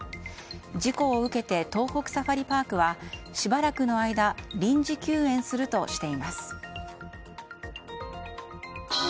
事故を受けて東北サファリパークはしばらくの間臨時休園するとしています。